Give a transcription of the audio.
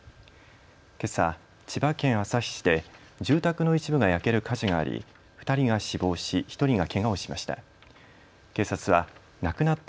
けさ、千葉県旭市で住宅の一部が焼ける火事があり２人が死亡し１人がけがをしました。